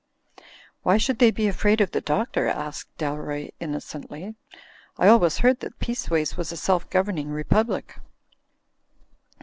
"Why should they be afraid of the Doctor?" asked Dalroy, innocently. "I always heard that Peaceways was a self governing republic."